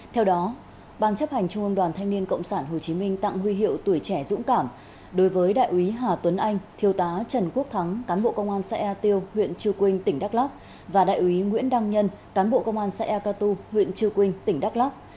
theo đó ban chấp hành trung ương đoàn thanh niên cộng sản hồ chí minh tặng huy hiệu tuổi trẻ dũng cảm đối với đại úy hà tuấn anh thiêu tá trần quốc thắng cán bộ công an xã ea tiêu huyện chư quynh tỉnh đắk lắc và đại úy nguyễn đăng nhân cán bộ công an xã ea catu huyện chư quynh tỉnh đắk lắc